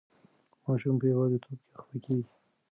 ماشوم په یوازې توب کې خفه کېږي.